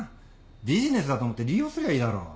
ビジネスだと思って利用すりゃいいだろう。